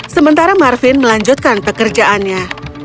sementara marvin melanjutkan pekerjaannya